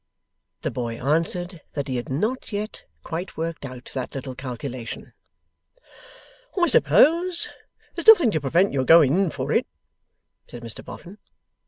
The boy answered that he had not yet quite worked out that little calculation. 'I suppose there's nothing to prevent your going in for it?' said Mr Boffin.